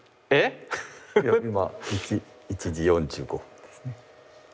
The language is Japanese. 今１時４５分ですね。